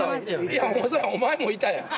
いやそれお前もいたやん！